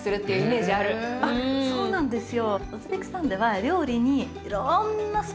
あっそうなんですよ。